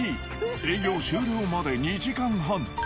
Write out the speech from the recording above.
営業終了まで２時間半。